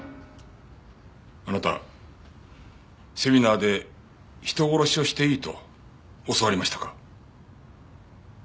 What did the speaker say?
あなたセミナーで人殺しをしていいと教わりましたか？